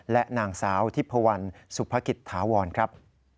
และนางสาวทิพพวันสุภกิจถาวรครับ